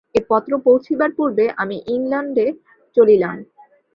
এ পত্র পৌঁছিবার পূর্বে আমি ইংলণ্ডে চলিলাম।